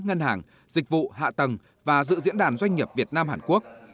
ngân hàng dịch vụ hạ tầng và dự diễn đàn doanh nghiệp việt nam hàn quốc